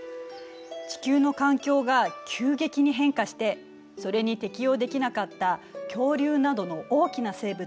地球の環境が急激に変化してそれに適応できなかった恐竜などの大きな生物